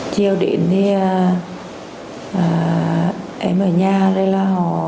chiều đến thì em ở nhà